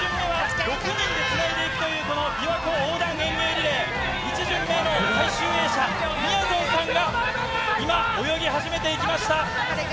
６人でつないでいくというこのびわ湖横断遠泳リレー、１巡目の最終泳者、みやぞんさんが、今、泳ぎ始めていきました。